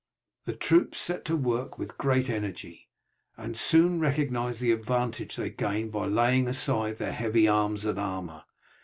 The troops set to work with great energy, and soon recognized the advantage they gained by laying aside their heavy arms and armour.